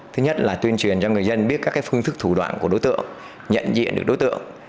thứ nhất là tuyên truyền cho người dân biết các phương thức thủ đoạn của đối tượng nhận diện được đối tượng